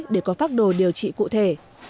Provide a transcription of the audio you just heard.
để có pháp đồ điều trị cụ thể